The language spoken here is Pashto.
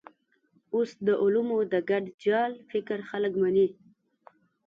اوس د علومو د ګډ جال فکر خلک مني.